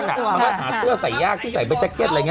มันก็หาเสื้อใส่ยากที่ใส่ใบแจ๊กเกดอะไรอยือ